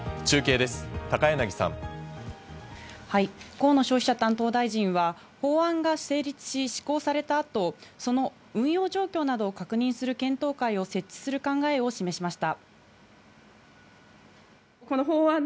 河野消費者担当大臣は法案が成立し施行された後、その運用状況などを確認する検討会を設置する考えを示しました。